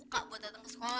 tau nih di mana